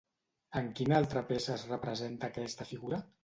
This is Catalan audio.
En quina altra peça es representa aquesta figura?